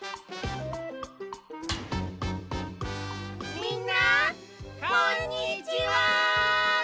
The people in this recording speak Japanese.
みんなこんにちは！